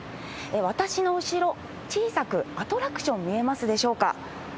私の後ろ、小さくアトラクション、見えますでしょうか。